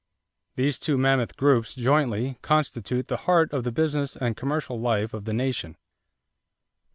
These two mammoth groups jointly ... constitute the heart of the business and commercial life of the nation."